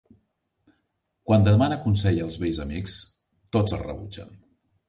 Quan demana consell als vells amics, tots el rebutgen.